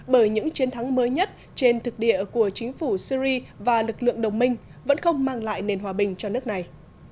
bởi những chiến thắng mới nhất trên thực địa của chính phủ syri và lực lượng đồng minh vẫn không mang lại nền hòa bình cho nước này